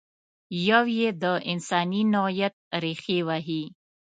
یو یې د انساني نوعیت ریښې وهي.